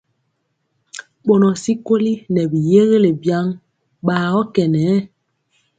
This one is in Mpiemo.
Bɔnɔ tyikoli nɛ bi yégelé biaŋg bagɔ kɛ nɛ.